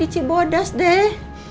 si bodas deh